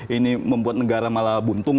ini membuat negara malah buntung